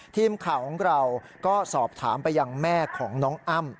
ทีมข่าวของเราก็สอบถามไปยังแม่ของน้องอ้ำ